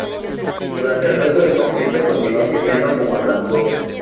Durante el resto del conflicto continuó sirviendo como transporte.